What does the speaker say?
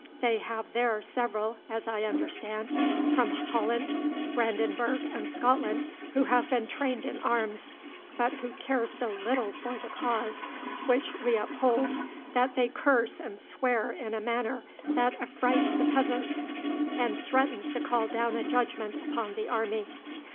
'They have there several, as I understand, from Holland, Brandenburg, and Scotland, who have been trained in arms, but who care so little for the cause which we uphold that they curse and swear in a manner that affrights the peasants, and threatens to call down a judgment upon the army.